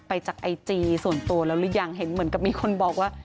ไปจากไอจีส่วนตัวแล้วหรือยังเห็นเหมือนกับมีคนบอกว่า